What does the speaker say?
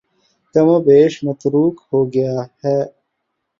کم و بیش متروک ہو گیا ہے